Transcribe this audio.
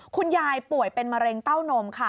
คุณยายป่วยเป็นมะเร็งเต้านมค่ะ